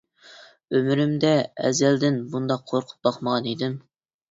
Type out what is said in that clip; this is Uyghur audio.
ئۆمرۈمدە ئەزەلدىن بۇنداق قورقۇپ باقمىغان ئىدىم.